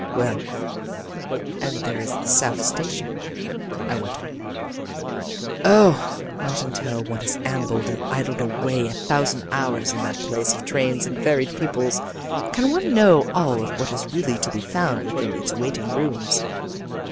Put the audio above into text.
"Well, and there is the South Station," I went on. "Oh, not until one has ambled and idled away a thousand hours in that place of trains and varied peoples can one know all of what is really to be found within its waiting rooms.